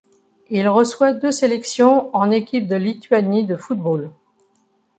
Il reçoit deux sélections en équipe de Lituanie de football.